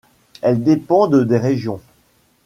Elles dépendent des régions.